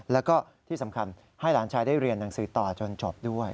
แล้วก็ที่สำคัญให้หลานชายได้เรียนหนังสือต่อจนจบด้วย